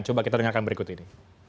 coba kita dengarkan berikut ini